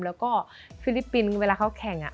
แล้วก็ฟิลิปปินส์เวลาเขาแข่ง